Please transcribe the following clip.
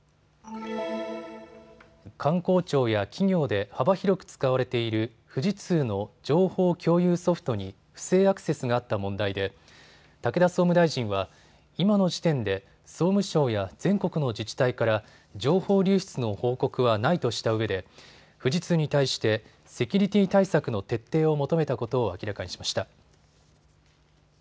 官公庁や企業で幅広く使われている富士通の情報共有ソフトに不正アクセスがあった問題で武田総務大臣は今の時点で総務省や全国の自治体から情報流出の報告はないとしたうえで富士通に対してセキュリティー対策の徹底を求めたことを明らかにしました。